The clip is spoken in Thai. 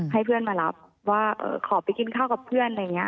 ให้เพื่อนมารับว่าขอไปกินข้าวกับเพื่อน